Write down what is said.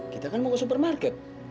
kita kan mau ke supermarket